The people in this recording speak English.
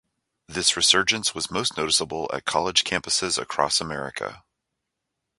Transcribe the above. This resurgence was most noticeable at college campuses across America.